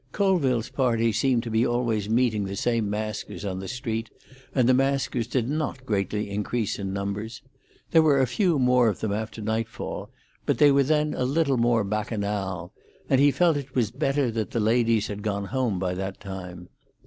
Colville's party seemed to be always meeting the same maskers on the street, and the maskers did not greatly increase in numbers. There were a few more of them after nightfall, but they were then a little more bacchanal, and he felt it was better that the ladies had gone home by that time.